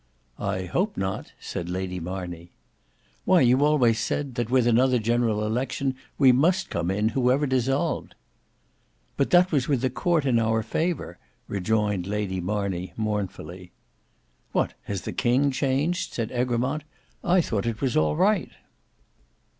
"I hope not," said Lady Marney. "Why you always said, that with another general election we must come in, whoever dissolved." "But that was with the court in our favour," rejoined Lady Marney mournfully. "What, has the king changed?" said Egremont. "I thought it was all right."